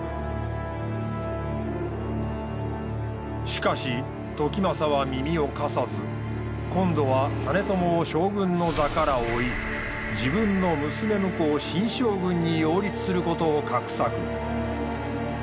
しかし時政は耳を貸さず今度は実朝を将軍の座から追い自分の娘婿を新将軍に擁立することを画策。